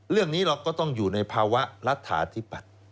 เรื่องนี้เราก็ต้องอยู่ในภาวะรัฐาธิบัติ